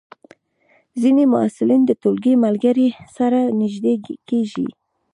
ځینې محصلین د ټولګي ملګرو سره نږدې کېږي.